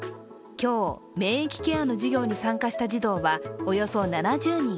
今日、免疫ケアの授業に参加した児童はおよそ７０人。